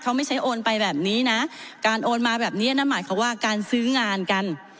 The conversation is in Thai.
เขาไม่ใช่โอนไปแบบนี้นะการโอนมาแบบนี้นั่นหมายความว่าการซื้องานกัน